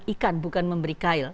ikan bukan memberi kail